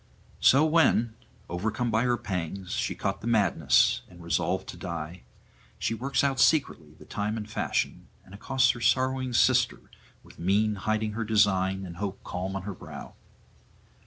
So when, overcome by her pangs, she caught the madness and resolved to die, she works out secretly the time and fashion, and accosts her sorrowing sister with mien hiding her design and hope calm on her brow.